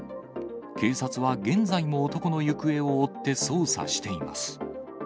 警察は現在も男の行方を追って捜査しています。